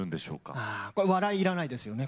これ笑い要らないですよね